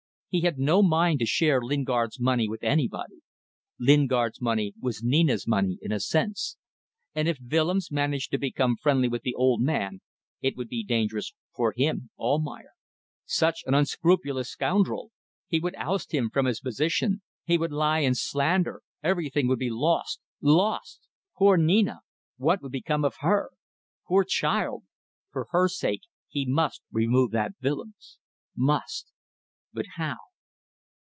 He had no mind to share Lingard's money with anybody. Lingard's money was Nina's money in a sense. And if Willems managed to become friendly with the old man it would be dangerous for him Almayer. Such an unscrupulous scoundrel! He would oust him from his position. He would lie and slander. Everything would be lost. Lost. Poor Nina. What would become of her? Poor child. For her sake he must remove that Willems. Must. But how?